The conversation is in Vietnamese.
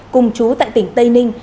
cùng chú tại tỉnh tây ninh